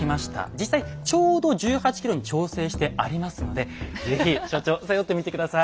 実際ちょうど１８ｋｇに調整してありますので是非所長背負ってみて下さい。